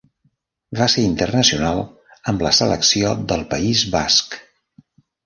Va ser internacional amb la selecció del País Basc.